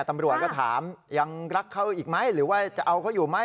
ตำรวจก็ถามยังรักเขาอีกไหมหรือว่าจะเอาเขาอยู่ไหม